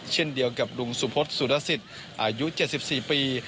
เช่นเดียวกับลุงสุพศสุรสิทธิ์อายุ๗๔ปี